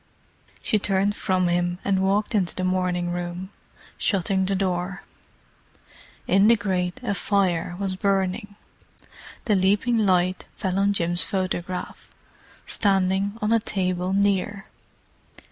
She turned from him and walked into the morning room, shutting the door. In the grate a fire was burning; the leaping light fell on Jim's photograph, standing on a table near.